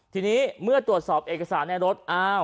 ทีนี้เมื่อตรวจสอบเอกสารในรถอ้าว